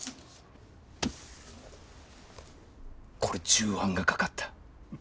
これ重版がかかった。